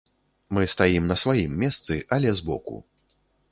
Мы стаім на сваім месцы, але збоку.